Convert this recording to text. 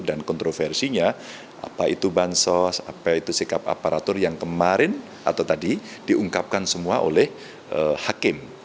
dan kontroversinya apa itu bansos apa itu sikap aparatur yang kemarin atau tadi diungkapkan semua oleh hakim